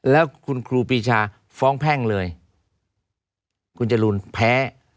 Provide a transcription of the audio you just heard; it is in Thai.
แล้วคุณครูปีชาฟ้องแพ่งเลยคุณจรูนแพ้